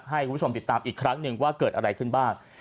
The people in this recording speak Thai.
ให้คุณผู้ชมติดตามอีกครั้งหนึ่งว่าเกิดอะไรขึ้นบ้าง